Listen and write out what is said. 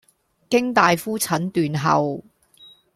經大夫診斷後